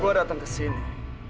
gue datang ke sini